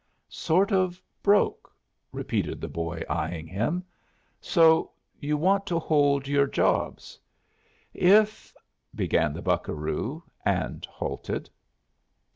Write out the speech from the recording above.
"Sort of broke," repeated the boy, eyeing him. "So you want to hold your jobs?" "If " began the buccaroo, and halted.